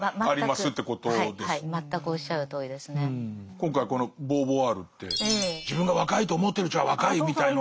今回このボーヴォワールって自分が若いと思ってるうちは若いみたいの。